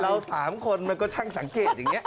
เรา๓คนมันก็ช่างสังเกตอย่างนี้